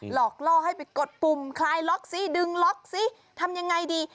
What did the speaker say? หลอกล่อให้ไปกดปุ่มคลายล็อกซิดึงล็อกซิทำยังไงดี